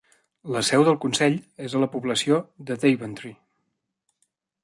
La seu del consell és a la població de Daventry.